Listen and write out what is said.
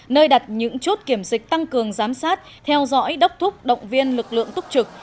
nơi đặt những chốt kiểm dịch tăng cường giám sát theo dõi đốc thúc động viên lực lượng túc trực